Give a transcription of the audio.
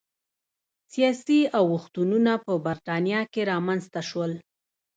سیاسي اوښتونونه په برېټانیا کې رامنځته شول.